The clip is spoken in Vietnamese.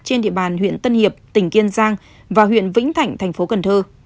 trên địa bàn huyện tân hiệp tỉnh kiên giang và huyện vĩnh thạnh thành phố cần thơ